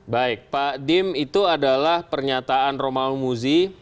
baik pak dim itu adalah pernyataan romal muzi